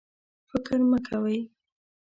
فکر مه کوئ